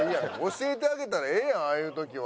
教えてあげたらええやんああいう時は。